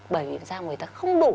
bởi vì da người ta không đủ